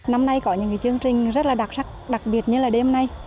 năm nay có những chương trình rất là đặc sắc đặc biệt như là đêm nay